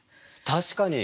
確かに！